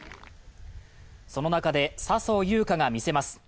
その中で笹生優花が見せます。